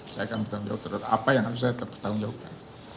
saya akan bertanggungjawab terhadap apa yang harus saya pertanggungjawabkan